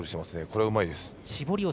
これはうまいです。